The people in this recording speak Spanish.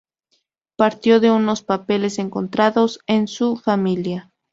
Partió de unos papeles encontrados en su familia.